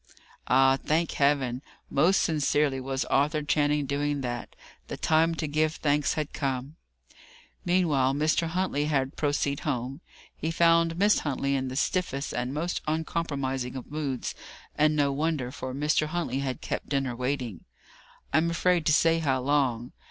Ay, thank Heaven! Most sincerely was Arthur Channing doing that. The time to give thanks had come. Meanwhile Mr. Huntley had proceed home. He found Miss Huntley in the stiffest and most uncompromising of moods; and no wonder, for Mr. Huntley had kept dinner waiting, I am afraid to say how long.